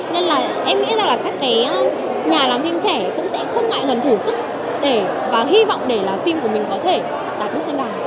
nên là em nghĩ rằng là các cái nhà làm phim trẻ cũng sẽ không ngại ngần thử sức để và hy vọng để là phim của mình có thể đạt búp sen vàng